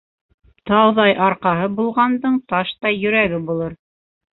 Тауҙай арҡаһы булғандың таштай йөрәге булыр.